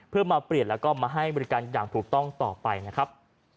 เพื่อมาเปลี่ยนแล้วก็มาให้บริการอย่างถูกต้องต่อไปนะครับ